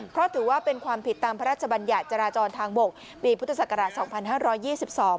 เพราะถือว่าเป็นความผิดตามพระราชบัญญัติจราจรทางบกปีพุทธศักราชสองพันห้าร้อยยี่สิบสอง